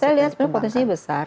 saya lihat sebenarnya potensinya besar